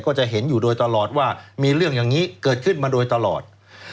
ก็จะเห็นอยู่โดยตลอดว่ามีเรื่องอย่างนี้เกิดขึ้นมาโดยตลอด